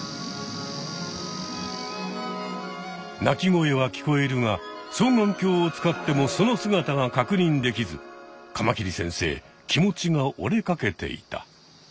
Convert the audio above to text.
鳴き声は聞こえるが双眼鏡を使ってもその姿がかくにんできずカマキリ先生気持ちが折れかけていた。